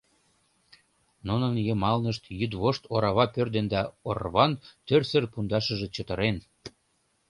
Нунын йымалнышт йӱдвошт орава пӧрдын да орван тӧрсыр пундашыже чытырен.